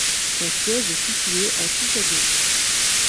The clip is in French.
Son siège est situé à Chicago.